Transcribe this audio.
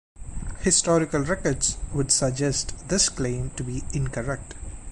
Historical records would suggest this claim to be incorrect.